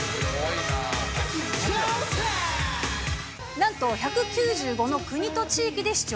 なんと１９５の国と地域で視聴。